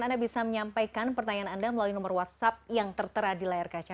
anda bisa menyampaikan pertanyaan anda melalui nomor whatsapp yang tertera di layar kaca